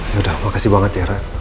yaudah makasih banget ya rat